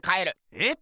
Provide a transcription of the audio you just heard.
えっ！